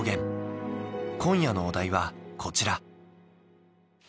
今夜のお題はこちら。